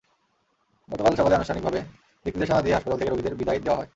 গতকাল সকালে আনুষ্ঠানিকভাবে দিকনির্দেশনা দিয়ে হাসপাতাল থেকে রোগীদের বিদায় দেওয়া হয়।